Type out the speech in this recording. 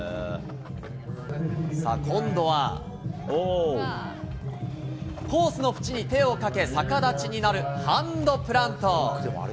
さあ、今度は、コースのふちに手をかけ、逆立ちになるハンドプラント。